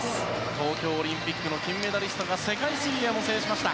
東京オリンピックの金メダリストが世界水泳も制しました。